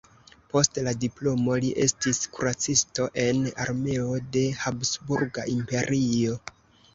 Post la diplomo li estis kuracisto en armeo de Habsburga Imperio.